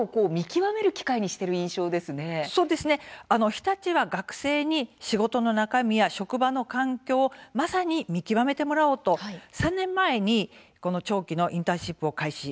日立は学生に仕事の中身や職場の環境をまさに見極めてもらおうと３年前に長期のインターンシップを開始。